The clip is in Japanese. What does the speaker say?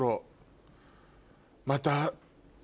また。